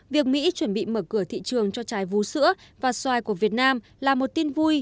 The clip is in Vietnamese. việc mỹ chuẩn bị mở cửa thị trường cho trái vú sữa và xoài của việt nam là một tin vui